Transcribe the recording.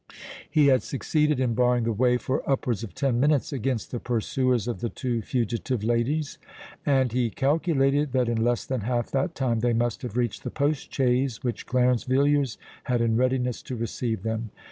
He had succeeded in barring the way for upwards of ten minutes against the pursuers of the two fugitive ladies; and he calculated that in less than half that time they must have reached the post chaise which Clarence Villiers had in readiness to receive them.